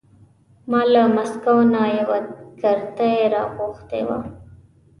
ما له مسکو نه یوه کرتۍ را اغوستې وه.